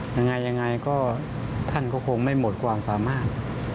ยังไงยังไงก็ท่านก็คงไม่หมดความสามารถ